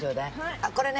あこれね。